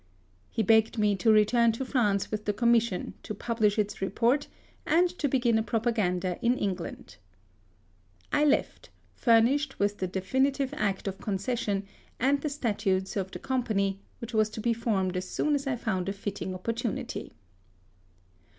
He begged me to return to France with the Commission, to publish its report, and to begin a propaganda in England. I left, furnished with the definitive act of concession, and the statutes of the Com pany, which was to be formed as soon as I found a fitting opportunity.